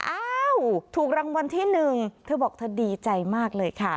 อ้าวถูกรางวัลที่หนึ่งเธอบอกเธอดีใจมากเลยค่ะ